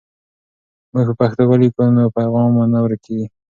موږ په پښتو ولیکو نو پیغام مو نه ورکېږي.